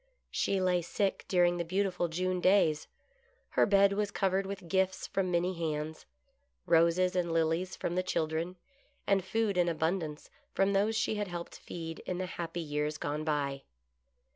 She lay sick during the beautiful June days. Her bed was covered with gifts from many hands : roses and lilies from the children, and food in abundance from those she had helped feed in the happy years gone by.